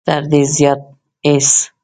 تر دې زیات هېڅ.